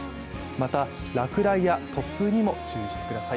また、落雷や突風にも注意してください。